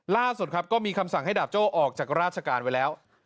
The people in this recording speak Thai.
ล่าสุดครับก็มีคำสั่งให้ดาบโจ้ออกจากราชการไว้แล้ว